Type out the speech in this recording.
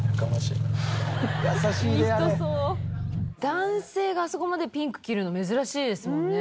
男性があそこまでピンク着るの珍しいですもんね。